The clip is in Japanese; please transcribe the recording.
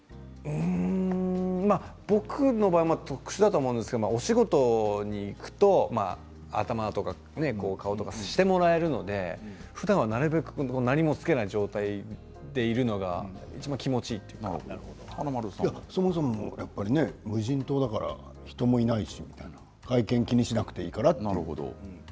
僕の場合は特殊だと思うんですけど、お仕事に行くと頭とか顔とかしてもらえるのでふだんは、なるべく何もつけない状態でいるのがそもそもやっぱりね無人島だから人もいないしみたいな外見を気にしなくていいから。